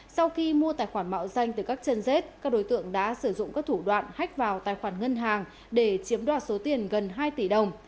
sau khi mua tài khoản mạo danh từ các chân dết các đối tượng đã sử dụng các thủ đoạn hách vào tài khoản ngân hàng để chiếm đoạt số tiền gần hai tỷ đồng